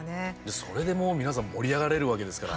それで、もう皆さん盛り上がれるわけですから。